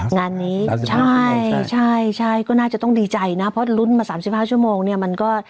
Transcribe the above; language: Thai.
งานนี้ใช่ใช่ก็น่าจะต้องดีใจนะเพราะลุ้นมา๓๕ชั่วโมงเนี่ยมันก็